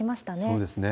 そうですね。